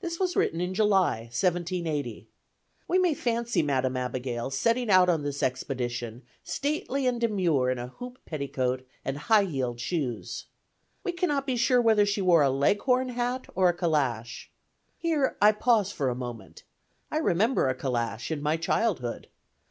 This was written in July, 1780. We may fancy Madam Abigail setting out on this expedition, stately and demure in hoop petticoat and high heeled shoes. We cannot be sure whether she wore a Leghorn hat or a calash. Here I pause for a moment; I remember a calash, in my childhood.